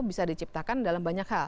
bisa diciptakan dalam banyak hal